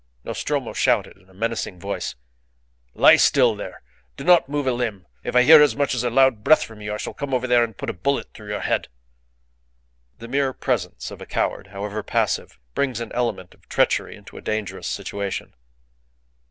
Nostromo shouted in a menacing voice "Lie still there! Do not move a limb. If I hear as much as a loud breath from you I shall come over there and put a bullet through your head." The mere presence of a coward, however passive, brings an element of treachery into a dangerous situation.